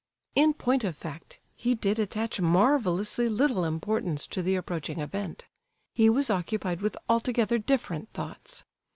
In point of fact, he did attach marvellously little importance to the approaching event. He was occupied with altogether different thoughts.